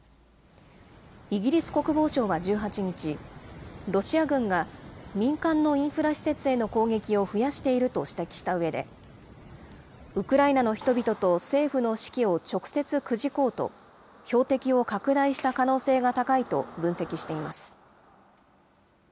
イギリス国防省は１８日、ロシア軍が民間のインフラ施設への攻撃を増やしていると指摘したうえで、ウクライナの人々と政府の士気を直接くじこうと、標的を拡大した可能性が高いと分析しています。